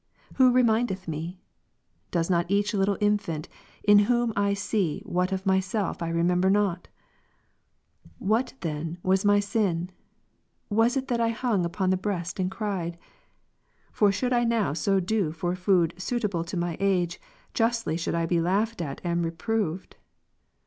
Who remindeth me ? Doth not each little infant, in whom I see what of myself I remember not ? Wliat then was my sin ? Was it that I hung upon the breast and cried ? For should I now so do for food suitable to my age, justly should I be laughed at and reproved.